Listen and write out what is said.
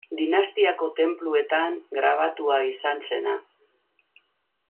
Dinastiako tenpluetan grabatua izan zena.